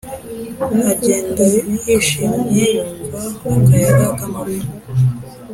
agenda yishimye yumva akayaga k’amafu,